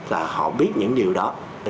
là họ biết những điều đó